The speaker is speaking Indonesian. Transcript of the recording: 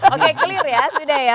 oke clear ya sudah ya